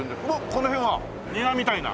この辺は庭みたいな？